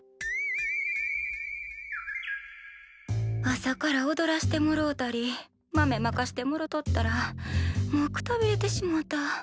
朝からおどらしてもろうたり豆まかしてもろとったらもうくたびれてしもうた。